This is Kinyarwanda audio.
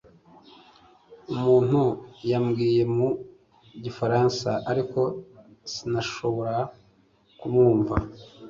Umuntu yambwiye mu gifaransa ariko sinashobora kumwumva